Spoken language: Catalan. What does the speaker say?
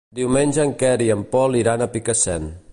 Diumenge en Quer i en Pol iran a Picassent.